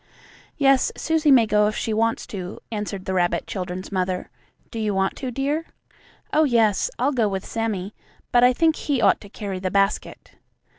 "Yes, Susie may go if she wants to," answered the rabbit childrens' mother. "Do you want to, dear?" "Oh, yes. I'll go with Sammie. But I think he ought to carry the basket."